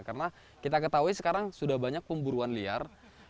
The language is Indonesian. karena kita ketahui sekarang sudah banyak pemburuan liar